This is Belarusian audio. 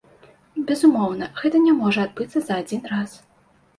Безумоўна, гэта не можа адбыцца за адзін раз.